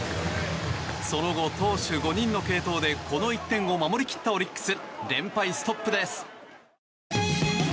その後、投手５人の継投でこの１点を守り切ったオリックス。